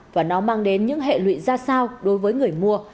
và nó mang đến những hệ lụy ra sao đối với người mua